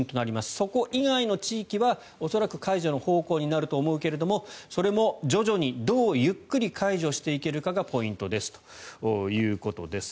そこ以外の地域は恐らく解除の方向になると思うけれどそれも徐々にどうゆっくり解除していけるかがポイントだということです。